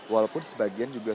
gedung walaupun sebagian juga